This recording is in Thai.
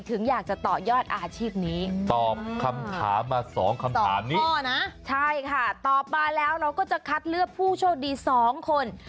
ตอบมาแล้วเราก็จะคัดเลือกผู้โชคดี๒คน